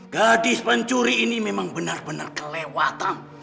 gadis pencuri ini memang benar benar kelewatan